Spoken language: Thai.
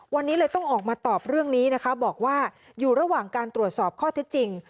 วันนี้เลยต้องออกมาตอบเรื่องนี้นะคะบอกว่าอยู่ระหว่างการตรวจสอบข้อเท็จจริง